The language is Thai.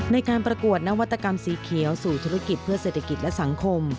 ในการประกวดนวัตกรรมสีเขียวสู่ธุรกิจเพื่อเศรษฐกิจและสังคม